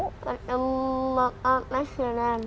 ketemu pak presiden